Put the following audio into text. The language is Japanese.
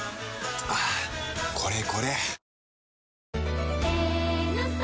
はぁこれこれ！